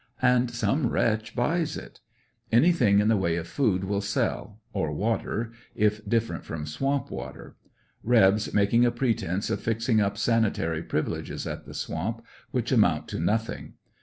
And some wretch buys it. Anything in the way of food will sell, or water, if different from swamp water. Rebs making a pretense of fixing up sanitary privileges at the swamp, which amount to nothing.